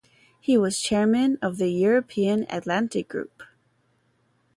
He was Chairman of the European-Atlantic Group.